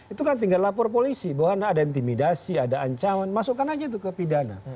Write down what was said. itu kan tinggal lapor polisi bahwa ada intimidasi ada ancaman masukkan aja itu ke pidana